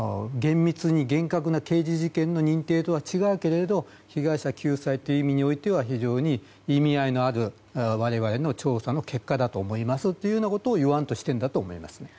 厳密に刑事事件の認定とは違うけれど被害者救済という意味においては非常に意味合いのある我々の調査の結果だと思いますということを言わんとしているんだと思います。